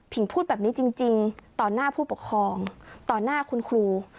พูดแบบนี้จริงต่อหน้าผู้ปกครองต่อหน้าคุณครู